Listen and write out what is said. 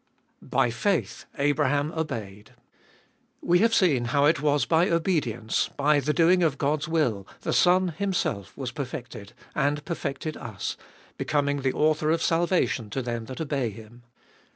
By faith Abraham obeyed. We have seen how it was by obedience, by the doing of God's will, the Son Himself was perfected, and perfected us : becoming the author of salvation to them that obey Him.